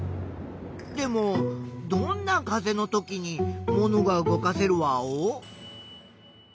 でもどんな風のときにものが動かせるワオ？